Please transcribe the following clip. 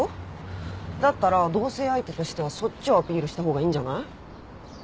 だったら同棲相手としてはそっちをアピールした方がいいんじゃない？